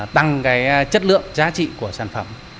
tăng cái chất lượng giá trị của sản phẩm